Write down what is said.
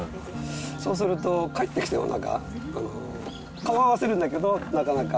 そうすると、帰ってきても、なんか、顔合わせるんだけど、なかなか。